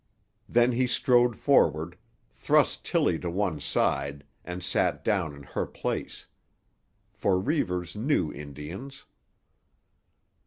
Then he strode forward, thrust Tillie to one side and sat down in her place. For Reivers knew Indians.